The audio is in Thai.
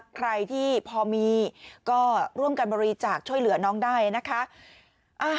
ใครที่พอมีก็ร่วมกันบริจาคช่วยเหลือน้องได้นะคะ